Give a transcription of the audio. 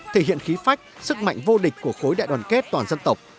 thể hiện khí phách sức mạnh vô địch của khối đại đoàn kết toàn dân tộc